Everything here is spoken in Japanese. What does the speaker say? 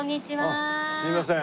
あっすいません。